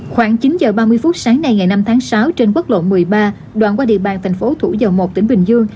khoảng chín h ba mươi phút sáng nay ngày năm tháng sáu trên quốc lộ một mươi ba đoạn qua địa bàn thành phố thủ dầu một tỉnh bình dương